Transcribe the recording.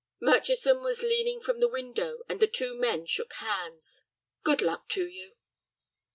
Murchison was leaning from the window, and the two men shook hands. "Good luck to you."